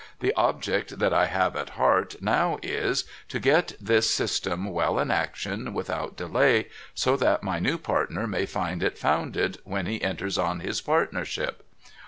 The object that I have at heart now is, to get this system well in action without delay, so that my new partner may find it founded when he enters on his partnership.'